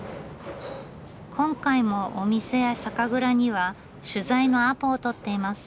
今回もお店や酒蔵には取材のアポを取っています。